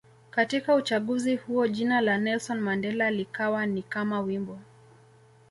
Katika uchaguzi huo jina la Nelson Mandela likawa ni kama wimbo